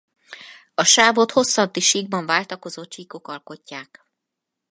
A sávot hosszanti síkban váltakozó csíkok alkotják.